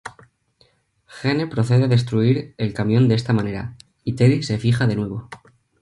Gene procede a destruir el camión esta manera, y Teddy se fija de nuevo.